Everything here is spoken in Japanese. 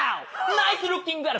ナイスルッキングガール。